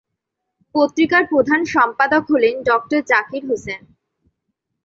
পত্রিকার প্রধান সম্পাদক হলেন ডঃ জাকির হুসেন।